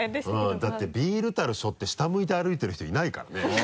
だってビール樽背負って下向いて歩いてる人いないからねあぁ。